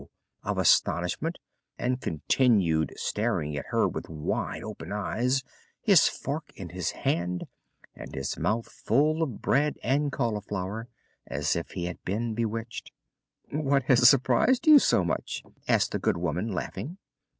of astonishment and continued staring at her with wide open eyes, his fork in the air, and his mouth full of bread and cauliflower, as if he had been bewitched. "What has surprised you so much?" asked the good woman, laughing.